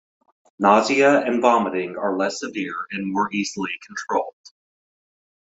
Nausea and vomiting are less severe and more easily controlled.